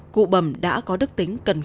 cụ bầm đã có đức tính cẩn thận